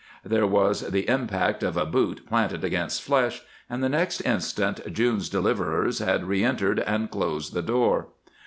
There was the impact of a boot planted against flesh, and the next instant June's deliverers had re entered and closed the door.